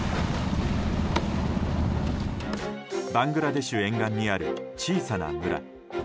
バングラデシュ沿岸にある小さな村。